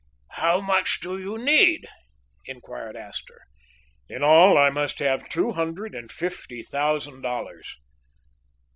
"How much do you need?" inquired Astor. "In all, I must have two hundred and fifty thousand dollars."